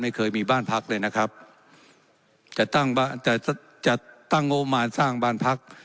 ไม่เคยมีบ้านพักเลยนะครับจะตั้งบ้านจะจะตั้งงบมารสร้างบ้านพัก